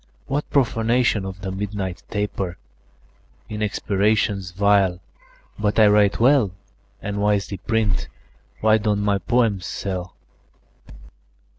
"What profanation of the midnight taper In expirations vile! But I write well, And wisely print. Why don't my poems sell?"